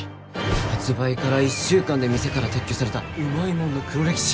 発売から１週間で店から撤去されたウマイもんの黒歴史。